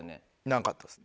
なかったです。